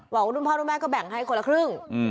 ว่ารุ่นพ่อรุ่นแม่ก็แบ่งให้คนละครึ่ง